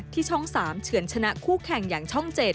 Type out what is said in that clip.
ช่อง๓เฉือนชนะคู่แข่งอย่างช่อง๗